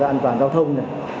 an toàn giao thông